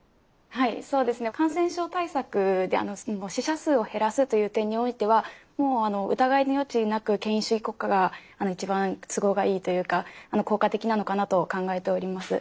はいそうですね。感染症対策で死者数を減らすという点においてはもうあの疑いの余地なく権威主義国家がいちばん都合がいいというか効果的なのかなと考えております。